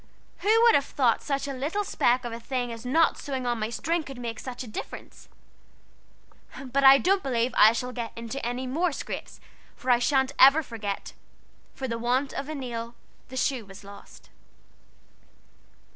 Who would have thought such a little speck of a thing as not sewing on my string could make a difference? But I don't believe I shall get in any more scrapes, for I sha'n't ever forget "'For the want of a nail the shoe was lost.'"